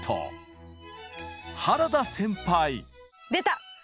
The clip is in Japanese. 出た！